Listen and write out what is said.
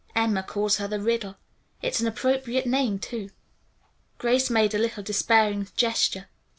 Emma calls her the Riddle. It's an appropriate name, too." Grace made a little despairing gesture.